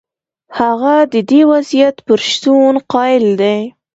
هغه د دې وضعیت پر شتون قایل دی.